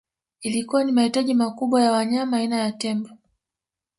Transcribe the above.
Ilikuwa na mahitaji makubwa ya wanyama aina ya tembo